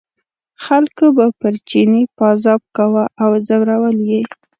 خلکو به پر چیني پازاب کاوه او ځورول یې.